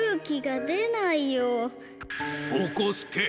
ぼこすけ！